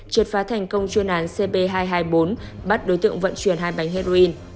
triệt phá thành công chuyên án cp hai trăm hai mươi bốn bắt đối tượng vận chuyển hai bánh heroin